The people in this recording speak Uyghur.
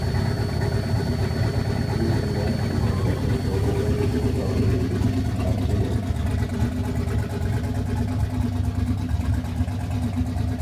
ھېچ كىمنىڭ بىزنىڭ ياشاش ھوقۇقىمىزنى تارتىۋېلىش ھەققى يوق!